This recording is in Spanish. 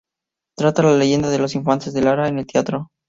Trata la leyenda de los Infantes de Lara en el teatro.